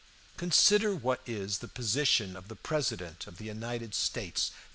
Consider what is the position of the President of the United States.